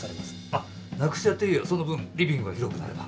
あっなくしちゃっていいよその分リビングが広くなれば。